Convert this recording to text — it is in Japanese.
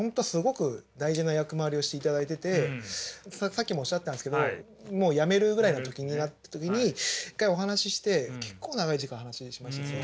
でもさっきもおっしゃってたんですけどもう辞めるぐらいの時になった時に一回お話しして結構長い時間話しましたよね。